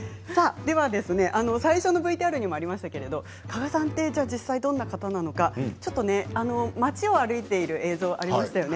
最初のＶＴＲにもありましたが加賀さんは実際どんな方なのか街を歩いている映像がありましたよね。